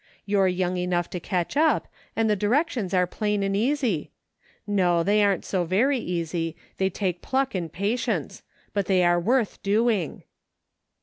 You're young enough to catch up, and the directions are plain and easy ; no, they aren't so very easy, they take pluck and patience ; but they are worth doing."